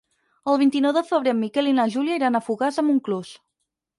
El vint-i-nou de febrer en Miquel i na Júlia iran a Fogars de Montclús.